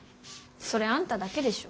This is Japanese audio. それあんただけでしょ。